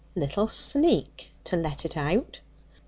'Little sneak, to let it out.'